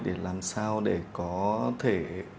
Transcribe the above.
để làm sao để có thể